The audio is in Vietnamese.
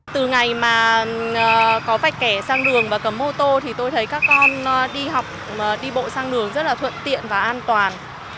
từ ngày mà có vạch kẻ sang đường và cấm ô tô thì tôi thấy các con đi học đi bộ sang đường rất là thuận tiện và an toàn